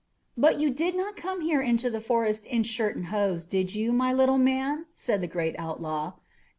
"But you did not come here into the forest in shirt and hose, did you, my little man?" said the great outlaw.